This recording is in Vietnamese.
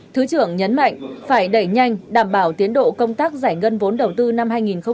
thứ trưởng nhấn mạnh phải đẩy nhanh đảm bảo tiến độ công tác giải ngân vốn đầu tư năm hai nghìn hai mươi